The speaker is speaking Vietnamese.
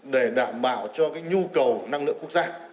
để đảm bảo cho cái nhu cầu năng lượng quốc gia